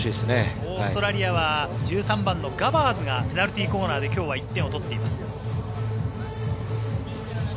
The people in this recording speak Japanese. オーストラリアは１３番のガバーズがペナルティーコーナーで今日は１点を取っています。